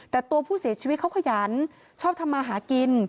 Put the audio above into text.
แต่ตัวผู้เสียชีวิตเขาขยันชอบทำมาหากิน